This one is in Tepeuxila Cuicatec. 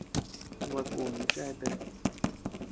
Baʼa kun cheatea.